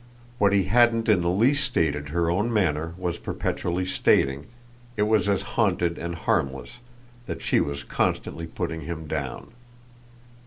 What he hadn't in the least stated her own manner was perpetually stating; it was as haunted and harmless that she was constantly putting him down.